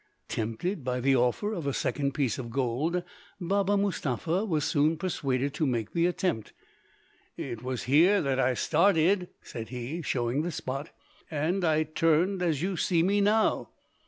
Tempted by the offer of a second piece of gold, Baba Mustapha was soon persuaded to make the attempt. "It was here that I started," said he, showing the spot, "and I turned as you see me now."